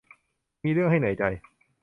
มีเรื่องให้เหนื่อยใจ